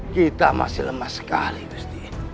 kita masih lemah sekali gusti